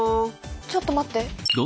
ちょっと待って。